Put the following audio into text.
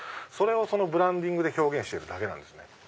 それをそのブランディングで表現してるだけなんですね。